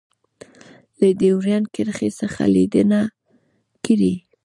له ډیورنډ کرښې څخه لیدنه کړې